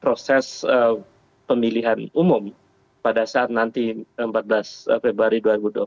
proses pemilihan umum pada saat nanti empat belas februari dua ribu dua puluh